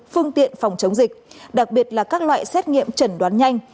phương tiện phòng chống dịch đặc biệt là các loại xét nghiệm chẩn đoán nhanh